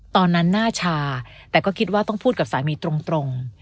ตอนนั้นหน้าชาแต่ก็คิดว่าต้องพูดกับสามีตรง